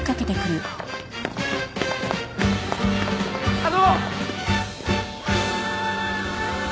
あの！